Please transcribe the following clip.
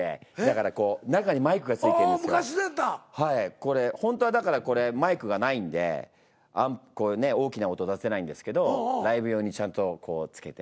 これほんとはだからこれマイクがないんでこれね大きな音出せないんですけどライブ用にちゃんとこう付けて。